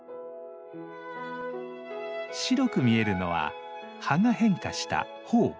白く見えるのは葉が変化した苞。